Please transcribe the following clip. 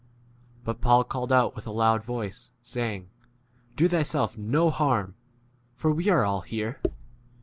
But Paul called out with a loud voice, saying, Do thyself no harm, for we 29 are all here.